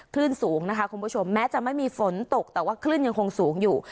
คลื่นสูงนะคะคุณผู้ชมแม้จะไม่มีฝนตกแต่ว่าคลื่นยังคงสูงอยู่